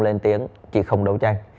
lên tiếng chị không đấu tranh